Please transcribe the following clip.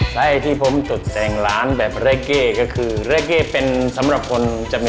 ไส้ที่ผมจุดแต่งร้านแบบเลขเก้ก็คือเลขเก้เป็นสำหรับคนจะมี